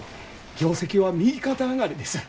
業績は右肩上がりです。